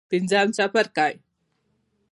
پنځم څپرکی.